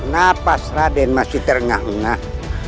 napas raden masih terengah engah